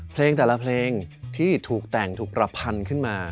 เพลงแต่ละเพลงที่ถูกแต่งถูกประพันธ์ขึ้นมา